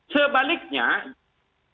sebaliknya kita harus menang